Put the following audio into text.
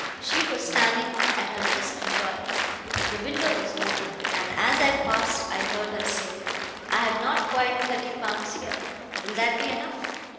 She was standing at her escritoire. The window was open, and as I passed I heard her say: 'I have not quite thirty pounds here. Will that be enough?'